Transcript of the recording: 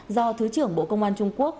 do thứ trưởng bộ công an trung quốc